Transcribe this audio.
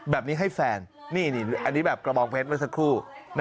แบบนี้ให้แฟนนี่อันนี้แบบกระบองเพชรเมื่อสักครู่